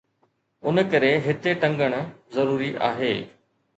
ان ڪري هتي ٽنگڻ ضروري آهي